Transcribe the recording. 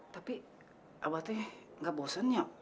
tapi abah tuh nggak bosan yap